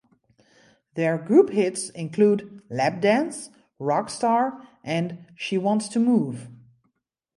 Their group hits include "Lapdance", "Rock Star" and "She Wants To Move".